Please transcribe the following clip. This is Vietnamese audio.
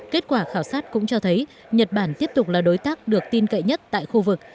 kết quả khảo sát cũng cho thấy nhật bản tiếp tục là đối tác được tin cậy nhất tại khu vực